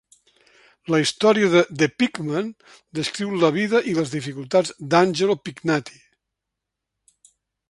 La història de The Pigman descriu la vida i les dificultats d'Angelo Pignati.